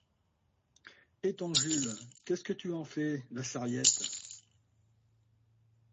Et ton Jules, qu’est-ce que tu en fais, la Sarriette ?